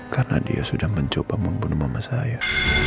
karena dia sudah mencoba membunuh mama saya